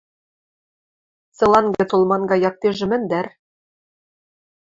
Цылан гӹц олманга яктежӹ мӹндӹр?